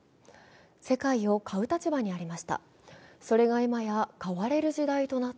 世界を買う立場にありました。